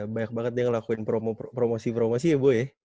banyak banget dia ngelakuin promosi promosi ya bu ya